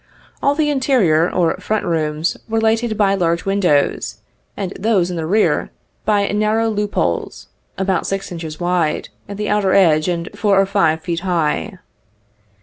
All the interior or front rooms were lighted by large windows, and those in the rear by narrow loop holes, about six inches wide, at the outer edge, and four or five feet high.